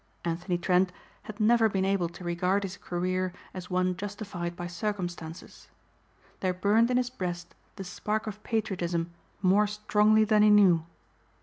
Anthony Trent had never been able to regard his career as one justified by circumstances. There burned in his breast the spark of patriotism more strongly than he knew.